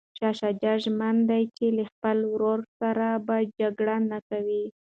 شاه شجاع ژمن دی چي له خپل وراره سره به جګړه نه کوي.